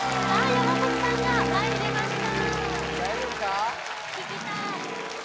山さんが前に出ました